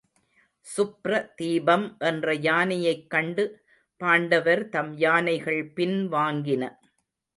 சுப்ரதீபம் என்ற யானையைக் கண்டு பாண்டவர் தம் யானைகள் பின் வாங்கின.